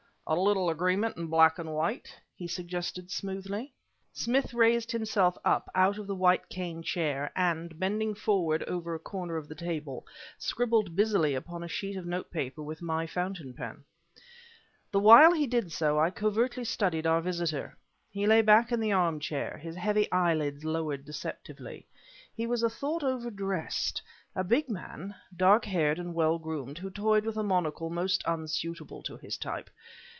"A little agreement in black and white?" he suggested smoothly. Smith raised himself up out of the white cane chair, and, bending forward over a corner of the table, scribbled busily upon a sheet of notepaper with my fountain pen. The while he did so, I covertly studied our visitor. He lay back in the armchair, his heavy eyelids lowered deceptively. He was a thought overdressed a big man, dark haired and well groomed, who toyed with a monocle most unsuitable to his type.